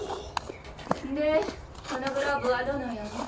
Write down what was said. でこのグローブはどのような？